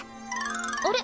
あれ？